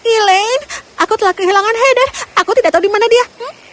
elaine aku telah kehilangan heather aku tidak tahu dimana dia